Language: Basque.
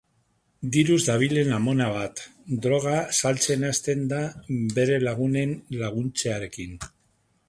Diruz dabilen amona bat droga saltzen hasten da bere lagunen laguntzarekin.